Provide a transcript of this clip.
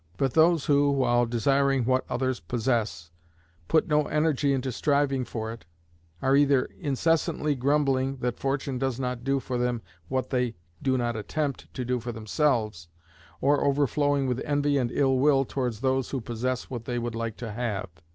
But those who, while desiring what others possess, put no energy into striving for it, are either incessantly grumbling that fortune does not do for them what they do not attempt to do for themselves, or overflowing with envy and ill will towards those who possess what they would like to have.